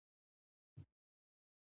آیا کام ایر خصوصي شرکت دی؟